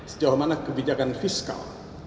sejauh mana kebijakan fiskal